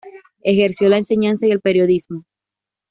Ejerció la enseñanza y el periodismo.